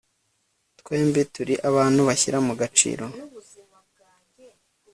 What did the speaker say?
Twembi turi abantu bashyira mu gaciro